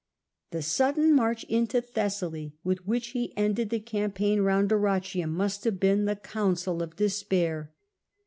The sudden march into Thessaly with which he ended the campaign round Dyrrhachium must have been the council of despair.